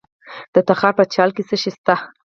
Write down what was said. د تخار په چال کې څه شی شته؟